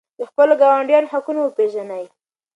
د خپلو ګاونډیانو حقونه وپېژنئ.